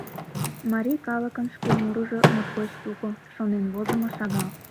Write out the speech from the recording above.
Марий калыкын шке мурыжо моткоч шуко, шонен возымо шагал.